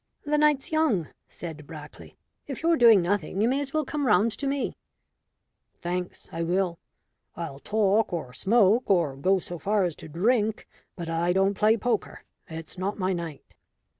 "The night's young," said Brackley; "if you're doing nothing you may as well come round to me." "Thanks, I will. I'll talk, or smoke, or go so far as to drink; but I don't play poker. It's not my night."